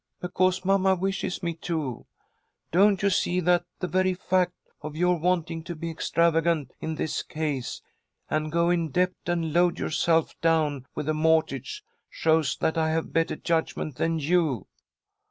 "Because mamma wishes me to. Don't you see that the very fact of your wanting to be extravagant in this case, and go in debt and load yourself down with a mortgage shows that I have better judgment than you?"